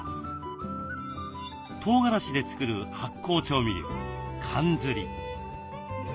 とうがらしで作る発酵調味料かんずり。